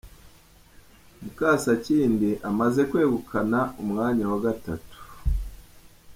Mukasakindi amaze kwegukana umwanya wa gatatu.